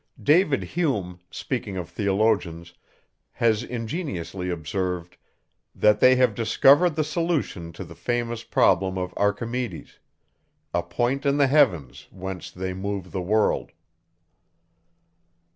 David Hume, speaking of theologians, has ingeniously observed, _that they have discovered the solution of the famous problem of Archimedes a point in the heavens, whence they move the world_.